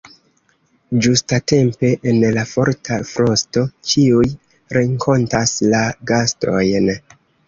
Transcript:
Ĝustatempe en la forta frosto ĉiuj renkontas la gastojn.